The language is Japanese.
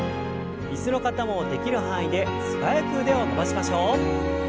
椅子の方もできる範囲で素早く腕を伸ばしましょう。